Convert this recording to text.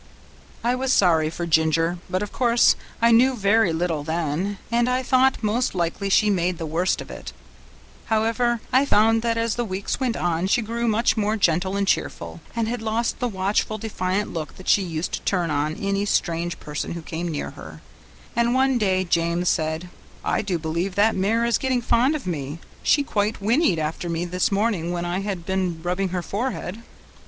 I was sorry for Ginger, but of course I knew very little then, and I thought most likely she made the worst of it; however, I found that as the weeks went on she grew much more gentle and cheerful, and had lost the watchful, defiant look that she used to turn on any strange person who came near her; and one day James said, "I do believe that mare is getting fond of me, she quite whinnied after me this morning when I had been rubbing her forehead."